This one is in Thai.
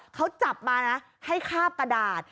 เขาจับมานะให้คาบกระดาษ